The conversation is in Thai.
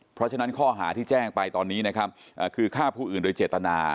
เพราะฉะนั้นข้อหาที่แจ้งไปตอนนี้นะครับคือฆ่าผู้อื่นโดยเจตนา